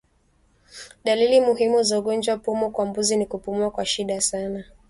Dalili muhimu za ugonjwa wa pumu kwa mbuzi ni kupumua kwa shida sana